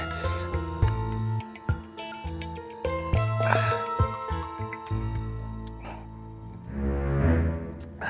itu siapa yang bawa